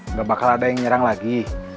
nggak bakal ada yang nyerang lagi